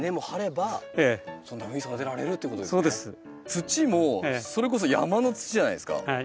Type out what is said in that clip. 土もそれこそ山の土じゃないですか。